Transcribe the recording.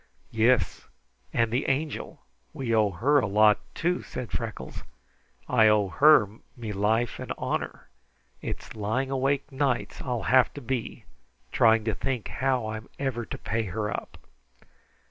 "Yis; and the Angel we owe her a lot, too," said Freckles. "I owe her me life and honor. It's lying awake nights I'll have to be trying to think how I'm ever to pay her up."